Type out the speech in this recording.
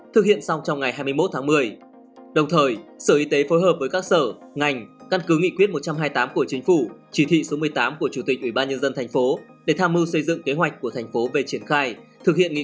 thực hiện nghị quyết một trăm hai mươi tám trên ủy ban nhân dân thành phố thông qua trong ngày hai mươi hai tháng một mươi